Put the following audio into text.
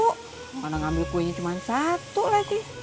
karena ngambil kuenya cuman satu lagi